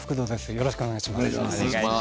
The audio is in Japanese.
よろしくお願いします。